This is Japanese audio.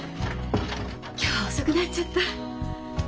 今日は遅くなっちゃった。